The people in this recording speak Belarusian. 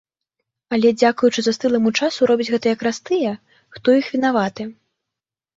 Але дзякуючы застыламу часу робяць гэта якраз тыя, хто ў іх вінаваты!